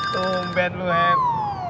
tumben lu hepp